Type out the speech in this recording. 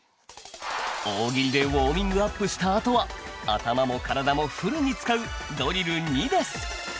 大喜利でウォーミングアップしたあとは頭も体もフルに使うドリル２です